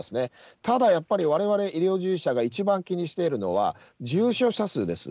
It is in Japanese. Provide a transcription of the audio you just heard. ただ、やっぱりわれわれ、医療従事者が一番気にしているのは、重症者数です。